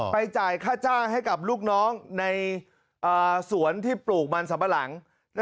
จ่ายค่าจ้างให้กับลูกน้องในสวนที่ปลูกมันสัมปะหลัง